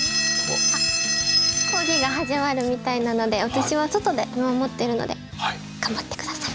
講義が始まるみたいなので私は外で見守ってるので頑張って下さい。